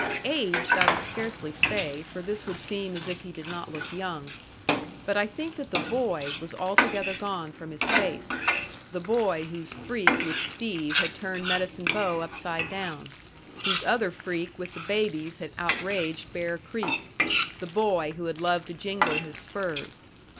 Aged I would scarcely say, for this would seem as if he did not look young. But I think that the boy was altogether gone from his face the boy whose freak with Steve had turned Medicine Bow upside down, whose other freak with the babies had outraged Bear Creek, the boy who had loved to jingle his spurs.